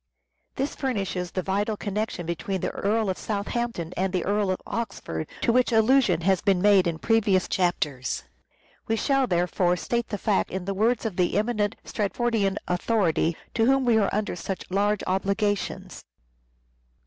This furnishes the vital connection between the Earl of Southampton and the Earl of Oxford, to which allusion has been made in previous chapters. We shall therefore state the fact in the words of the eminent Stratfordian authority to whom we are under such large obligations.